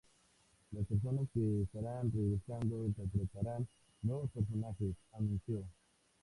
Las personas que estarán regresando interpretarán nuevos personajes," anunció.